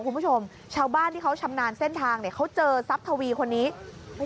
คุณผู้ชมชาวบ้านที่เขาชำนาญเส้นทางเนี่ยเขาเจอทรัพย์ทวีคนนี้